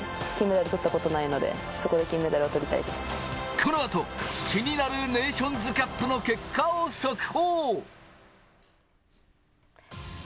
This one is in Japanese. このあと、気になるネーションズカップの結果を速報！